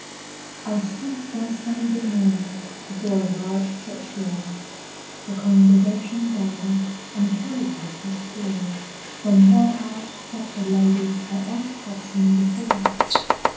I stood, one Sunday morning, Before a large church door, The congregation gathered, And carriages a score, From one out stepped a lady I oft had seen before.